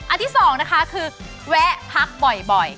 ที่สองนะคะคือแวะพักบ่อย